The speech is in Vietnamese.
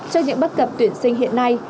trong những bất cập tuyển sinh hiện nay